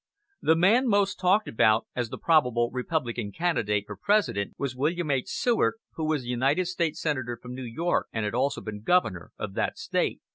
The man most talked about as the probable Republican candidate for President was William H. Seward, who was United States senator from New York, and had also been governor of that State.